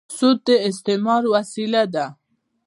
سود د استثمار وسیله ده.